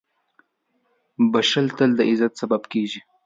• بښل تل د عزت سبب کېږي.